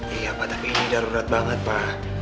iya pak tapi ini darurat banget pak